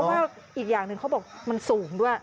เพราะว่าอีกอย่างหนึ่งเขาบอกมันสูงด้วย